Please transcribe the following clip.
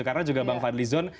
karena juga bang fadli zon